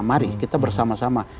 mari kita bersama sama